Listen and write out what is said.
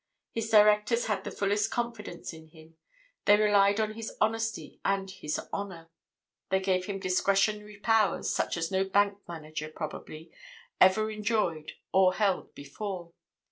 His directors had the fullest confidence in him; they relied on his honesty and his honour; they gave him discretionary powers such as no bank manager, probably, ever enjoyed or held before.